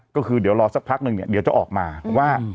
ก็คือเดี๋ยวรอสักพักนึงเนี่ยเดี๋ยวจะออกมาว่า